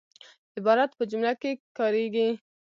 عبارت په جمله کښي کاریږي.